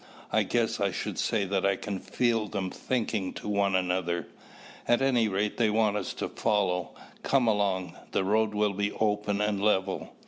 I guess I should say that I can feel them thinking to one another. At any rate, they want us to follow. Come along, the road will be open and level."